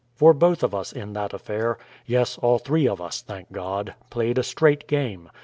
For both of us in that affair yes, all three of us, thank God played a straight game.